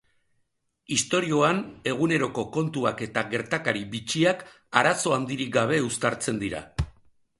Istorioan, eguneroko kontuak eta gertakari bitxiak arazo handirik gabe uztartzen dira.